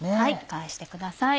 返してください。